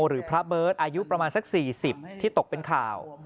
หรือพระเบิร์ตอายุประมาณสัก๔๐ที่ตกเป็นข่าว